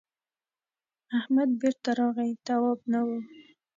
احمد بېرته راغی تواب نه و.